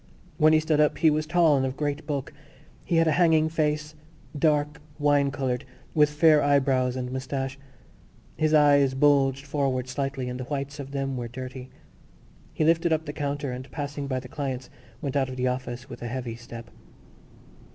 When he stood up he was tall and of great bulk. He had a hanging face, dark wine coloured, with fair eyebrows and moustache: his eyes bulged forward slightly and the whites of them were dirty. He lifted up the counter and, passing by the clients, went out of the office with a heavy step.